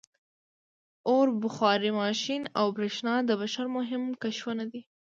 • اور، بخار ماشین او برېښنا د بشر مهم کشفونه دي.